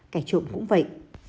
kẻ trộm cũng vậy